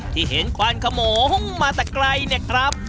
ที่เห็นควันขโมงมาแต่ไกลเนี่ยครับ